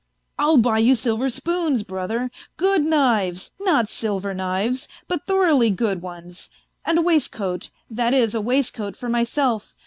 I'll buy you silver spoons, brother, good knives not silver knives, but thoroughly good ones ; and a waistcoat, that is a waistcoat for myself.